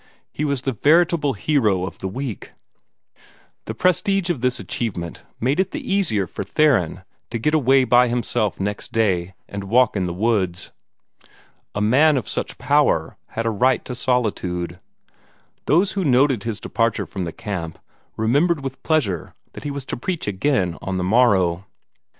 He was the veritable hero of the week. The prestige of this achievement made it the easier for Theron to get away by himself next day, and walk in the woods. A man of such power had a right to solitude. Those who noted his departure from the camp remembered with pleasure that he was to preach again on the morrow.